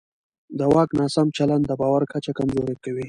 د واک ناسم چلند د باور کچه کمزوری کوي